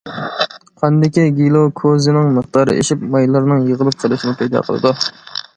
قاندىكى گىلۇكوزىنىڭ مىقدارى ئېشىپ، مايلارنىڭ يىغىلىپ قېلىشىنى پەيدا قىلىدۇ.